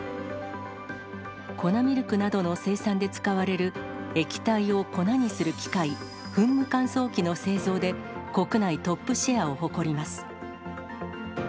粉ミルクなどの生産で使われる、液体を粉にする機械、噴霧乾燥機の製造で、国内トップシェアを誇ります。